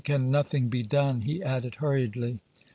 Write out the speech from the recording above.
"Can nothing be done?" he added, hurriedly.